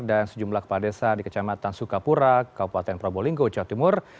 dan sejumlah kepala desa di kecamatan sukapura kabupaten probolinggo jawa timur